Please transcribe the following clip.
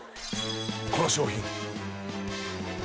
この商品。